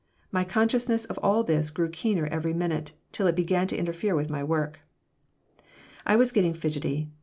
My consciousness of all this grew keener every minute, till it began to interfere with my work. I was getting fidgety.